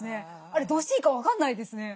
あれどうしていいか分かんないですね。